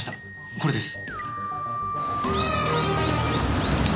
これです。